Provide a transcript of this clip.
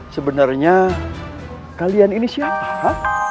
sebenarnya kalian ini siapa